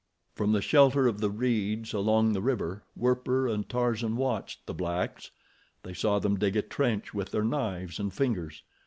From the shelter of the reeds along the river, Werper and Tarzan watched the blacks. They saw them dig a trench with their knives and fingers.